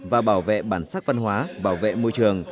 và bảo vệ bản sắc văn hóa bảo vệ môi trường